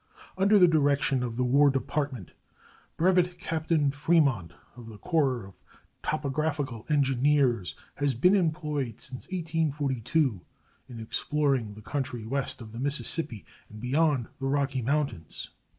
Under the directions of the War Department Brevet Captain Fremont, of the Corps of Topographical Engineers, has been employed since 1842 in exploring the country west of the Mississippi and beyond the Rocky Mountains.